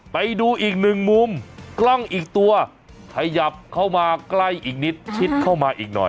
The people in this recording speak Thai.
ไปดูอีกหนึ่งมุมกล้องอีกตัวขยับเข้ามาใกล้อีกนิดชิดเข้ามาอีกหน่อย